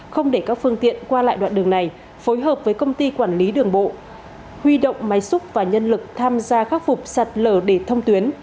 không để các phương tiện qua lại đoạn đường này phối hợp với công ty quản lý đường bộ huy động máy xúc và nhân lực tham gia khắc phục sạt lở để thông tuyến